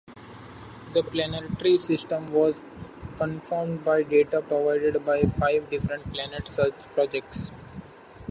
The planetary system was confirmed by data provided by five different planet search projects.